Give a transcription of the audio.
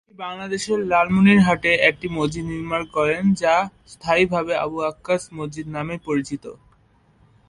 তিনি বাংলাদেশের লালমনিরহাটে একটি মসজিদ নির্মাণ করেন, যা স্থানীয়ভাবে আবু আক্কাস মসজিদ নামে পরিচিত।